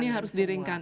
ini harus diringkan